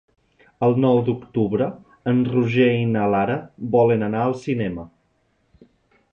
El nou d'octubre en Roger i na Lara volen anar al cinema.